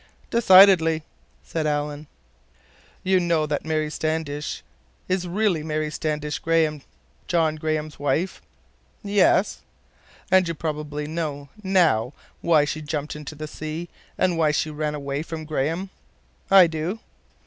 "Decidedly," said Alan. "You know that Mary Standish is really Mary Standish Graham, John Graham's wife?" "Yes." "And you probably know—now—why she jumped into the sea, and why she ran away from Graham." "I do."